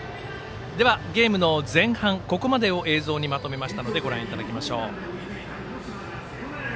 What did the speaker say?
では、ゲームの前半、ここまでを映像にまとめましたので振り返りましょう。